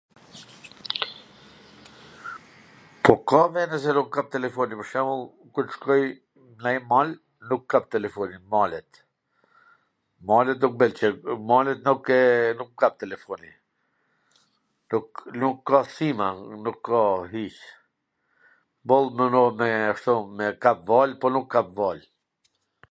Ka vene si nuk kap telefoni pwr shembul, kur t shkoj nw njw mal, nuk kap telefoni n male, malet nuk m pwlqejn, malet nukw, nuk kap telefoni, nuk nuk kA sima, nuk ka hiC, boll me nodh me ashtu, me kap val, po nuk kap val